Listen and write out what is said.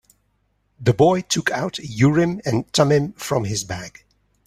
The boy took out Urim and Thummim from his bag.